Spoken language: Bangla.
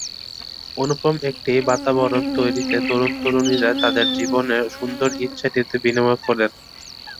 অনুপম একটি বাতাবরণ তৈরিতে তরুণ-তরুণীরা তাদের জীবনের সুন্দর ইচ্ছেটি বিনিয়োগ করেন।